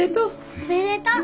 おめでとう。